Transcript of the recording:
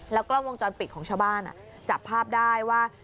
กล้องวงจรปิดของชาวบ้านจับภาพได้ว่า